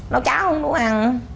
nấu cháo không đủ ăn